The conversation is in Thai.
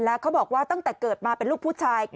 แล้วเขาบอกว่าตั้งแต่เกิดมาเป็นลูกผู้ชาย